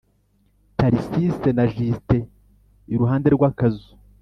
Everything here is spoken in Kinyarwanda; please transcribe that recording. Tharcisse na Justin iruhande rw akazu